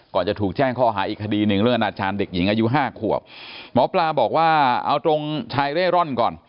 จะถูกแจ้งข้อหาอีกคดีหนึ่งเรื่องอนาจารย์เด็กหญิงอายุห้าขวบหมอปลาบอกว่าเอาตรงชายเร่ร่อนก่อน